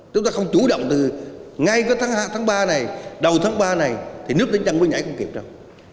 chúng ta không chủ động từ ngay tới tháng ba này đầu tháng ba này thì nước đến chăng mới nhảy không kịp đâu